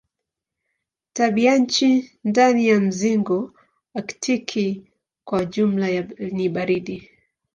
Tabianchi ndani ya mzingo aktiki kwa jumla ni baridi.